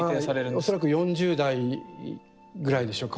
恐らく４０代ぐらいでしょうか。